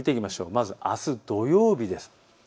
まず、あす土曜日です。